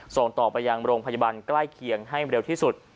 ส่งต่อไปยังโรงพยาบาลใกล้เคียงให้เร็วที่สุด